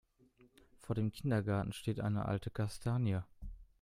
Vor dem Kindergarten steht eine alte Kastanie.